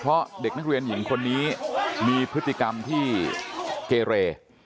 เพราะเด็กนักเรียนหญิงคนนี้มีพฤติกรรมที่เกเร